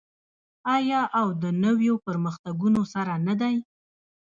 آیا او د نویو پرمختګونو سره نه دی؟